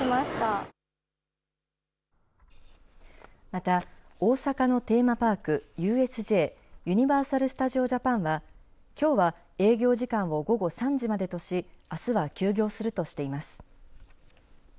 また、大阪のテーマパーク、ＵＳＪ・ユニバーサル・スタジオ・ジャパンは、きょうは営業時間を午後３時までとし、あすは休業するとしています。